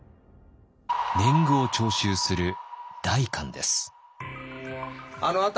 年貢を徴収する代官です。